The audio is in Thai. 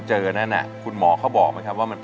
แต่นี่คุณพ่อตอนนี้เลิกได้หรือยัง